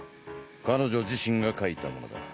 彼女自身が書いたものだ。